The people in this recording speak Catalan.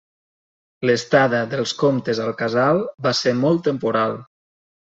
L'estada dels comtes al casal va ser molt temporal.